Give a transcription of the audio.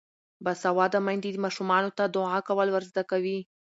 باسواده میندې ماشومانو ته دعا کول ور زده کوي.